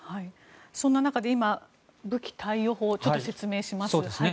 そんな中で今、武器貸与法ちょっと説明します。